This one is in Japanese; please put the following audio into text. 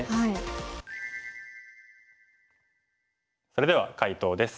それでは解答です。